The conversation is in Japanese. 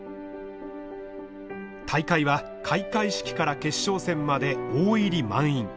大会は開会式から決勝戦まで大入り満員。